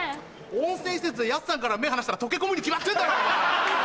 温泉施設でやすさんから目離したら溶け込むに決まってんだろ！